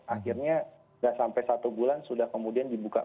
akhirnya nggak sampai satu bulan sudah kemudian dibuka